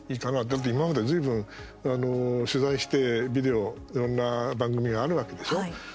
だって今まで、ずいぶん取材してビデオいろんな番組があるわけでしょう。